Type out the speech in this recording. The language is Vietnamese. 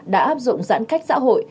đã áp dụng giãn cách xã hội